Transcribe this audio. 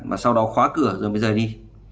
mà sau đó khóa cửa rồi mới rời đi